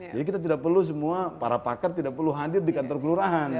jadi kita tidak perlu semua para pakar tidak perlu hadir di kantor kelurahan